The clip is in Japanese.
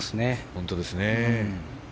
本当ですね。